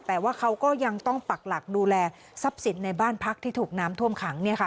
แต่ว่าเขาก็ยังต้องปักหลักดูแลทรัพย์สินในบ้านพักที่ถูกน้ำท่วมขัง